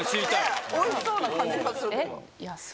おいしそうな感じがするけど。